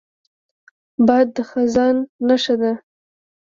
باد د خزان نښه ده